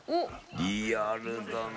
リアルだな。